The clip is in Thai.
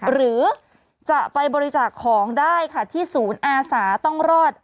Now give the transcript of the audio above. หรือจะไปบริจาคของได้ค่ะที่ศูนย์อาสาต้องรอด